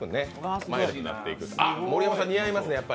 盛山さん、似合いますね。